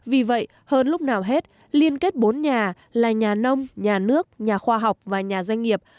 vì vậy hơn lúc nào hết liên kết bốn nhà là nhà nông nhà nước nhà khoa học và nhà doanh nghiệp